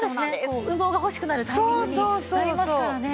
羽毛が欲しくなるタイミングになりますからね。